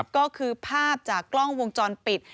ก็คือภาพจากกล้องวงจรปิด